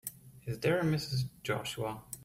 Is there a Mrs. Joshua?